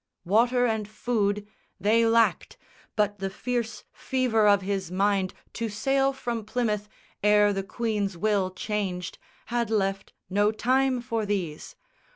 Water and food They lacked; but the fierce fever of his mind To sail from Plymouth ere the Queen's will changed Had left no time for these.